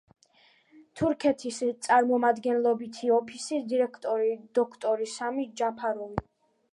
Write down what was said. თურქეთის წარმომადგენლობითი ოფისის დირექტორი დოქტორი სამი ჯაფაროვი.